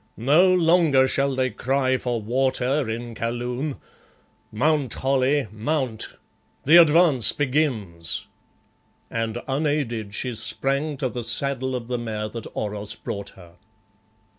No longer shall they cry for water in Kaloon! Mount, Holly, mount! The advance begins!" and unaided she sprang to the saddle of the mare that Oros brought her.